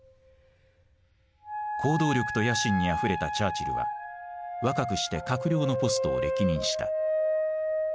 行動力と野心にあふれたチャーチルは若くして閣僚のポストを歴任した。